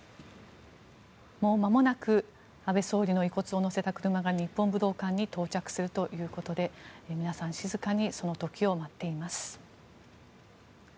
もうまもなく安倍総理の遺骨を乗せた車が日本武道館に到着するということで皆さん、静かにその時を待っています。